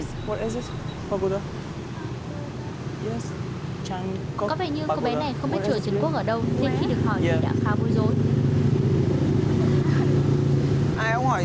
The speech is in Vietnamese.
có vẻ như cô bé này không biết chùa trần quốc ở đâu